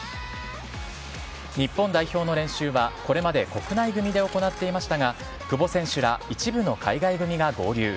日本代表の練習は、これまで国内組で行っていましたが、久保選手ら一部の海外組が合流。